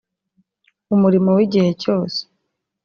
umurimo w igihe cyose